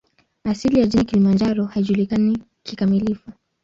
Asili ya jina "Kilimanjaro" haijulikani kikamilifu.